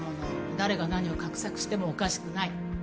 誰が何を画策してもおかしくない。